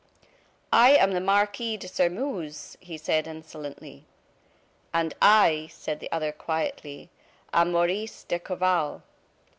"I am the Marquis de Sairmeuse," he said, insolently. "And I," said the other, quietly, "am Maurice d'Escorval."